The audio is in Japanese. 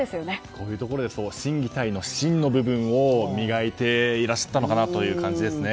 こういうところで心技体の、心の部分を磨いていらっしゃったのかなという感じですね。